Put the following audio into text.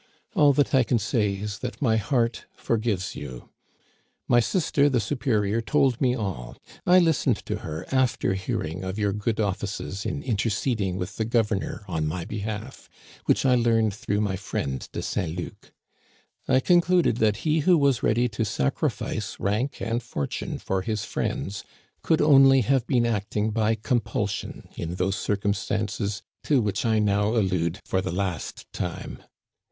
All that I can say is that my heart forgives you. My sister the superior told me all • I listened to her, after hearing of your good offices in interceding with the governor on my behalf, of which I learned through my friend de Saint Luc. I concluded that he who was ready to sacrifice rank and fortune for his friends could only have been acting by compulsion in those circumstances to which I now allude for the last time.